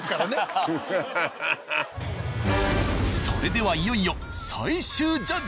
それではいよいよ。